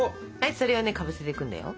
それをねかぶせていくんだよ。